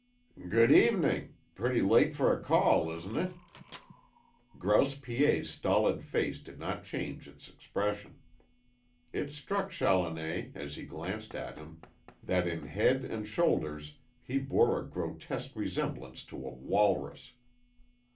"Good evening. Pretty late for a call, isn't it?" Grouse Piet's stolid face did not change its expression. It struck Challoner, as he glanced at him, that in head and shoulders he bore a grotesque resemblance to a walrus.